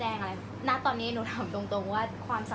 อันไหนที่มันไม่จริงแล้วอาจารย์อยากพูด